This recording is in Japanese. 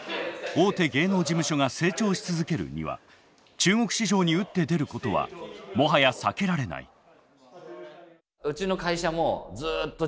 大手芸能事務所が成長し続けるには中国市場に打って出ることはもはや避けられない。